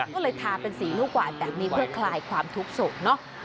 ก็เลยทาเป็นสีลูกหวานแบบนี้เพื่อคลายความทุกข์สุขเนอะ